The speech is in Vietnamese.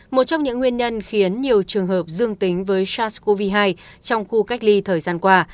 một trong những nguyên nhân khiến nhiều trường hợp dương tính với sars cov hai trong khu cách ly thời gian qua